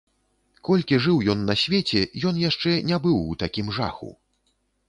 Колькі жыў ён на свеце, ён яшчэ не быў у такім жаху.